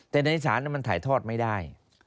แต่ในศาลมันถ่ายทอดไม่ได้